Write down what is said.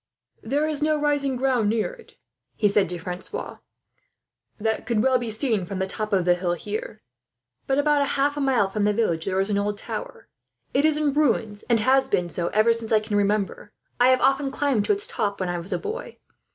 "There is no rising ground near it," he said to Francois, "that could well be seen from the top of the hill here; but about half a mile away from the village there is an old tower. It is in ruins, and has been so ever since I can remember. I have often climbed to its top, when I was a boy.